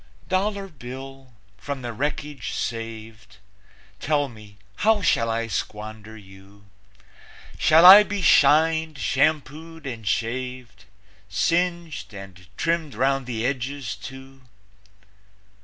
Dollar Bill, from the wreckage saved, Tell me, how shall I squander you? Shall I be shined, shampooed and shaved, Singed and trimmed 'round the edges, too?